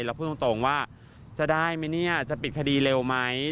พูดตรงว่าจะได้ไหมเนี่ยจะปิดคดีเร็วไหม